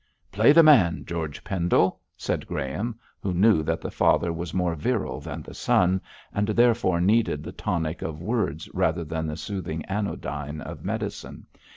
'Play the man, George Pendle,' said Graham, who knew that the father was more virile than the son, and therefore needed the tonic of words rather than the soothing anodyne of medicine.